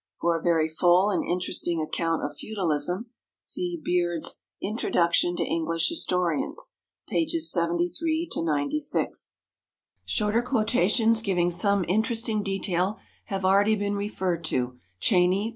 For a very full and interesting account of feudalism, see Beard's "Introduction to English Historians," pp. 73 96. Shorter quotations giving some interesting detail have already been referred to (Cheyney, pp.